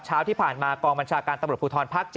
เช้าที่ผ่านมากองบัญชาการตำรวจภูทรภาค๗